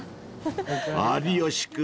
［有吉君